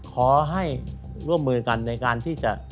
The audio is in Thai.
ขอให้ร่วมมือกันในการที่จะ